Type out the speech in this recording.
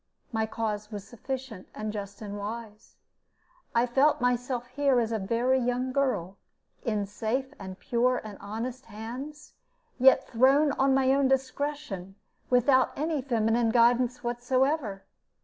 My cause was sufficient and just and wise. I felt myself here as a very young girl, in safe and pure and honest hands, yet thrown on my own discretion, without any feminine guidance whatever.